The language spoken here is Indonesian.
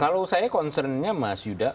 kalau saya concern nya mas yuda